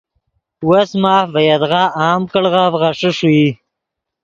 وس ماف ڤے یدغا عام کڑغف غیݰے ݰوئی